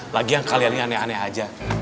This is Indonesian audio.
lagi yang kalian ini aneh aneh aja